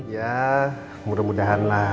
ya mudah mudahan lah